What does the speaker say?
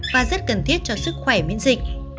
và rất cần thiết cho sức khỏe miễn dịch